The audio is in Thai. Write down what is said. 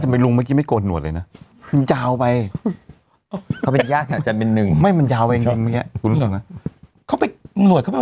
เป็นพาพร้าวเป็นกล้วยค่ะ